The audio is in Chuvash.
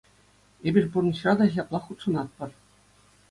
Эпир пурнӑҫра та ҫаплах хутшӑнатпӑр.